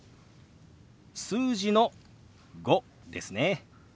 数字の「５」ですね。